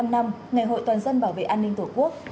bảy mươi năm năm ngày hội toàn dân bảo vệ an ninh tổ quốc